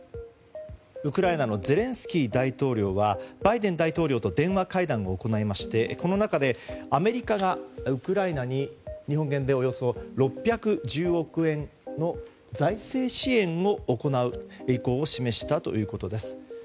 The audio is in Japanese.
ウクライナのゼレンスキー大統領はバイデン大統領と電話会談を行いましてこの中でアメリカがウクライナに日本円でおよそ６１０億円の財政支援を行う意向を示したということです。